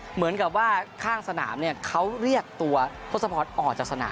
เหมือนกับว่าข้างสนามเนี่ยเขาเรียกตัวทศพรออกจากสนาม